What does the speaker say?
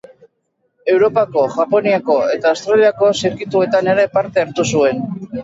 Europako, Japoniako eta Australiako zirkuituetan ere parte hartu zuen.